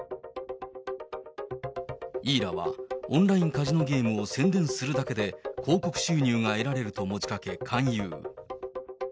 イーラはオンラインカジノゲームを宣伝するだけで広告収入が得られると持ち掛け勧誘。